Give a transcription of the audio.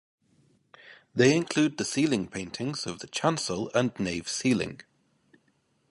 They include the ceiling paintings of the chancel and nave ceiling.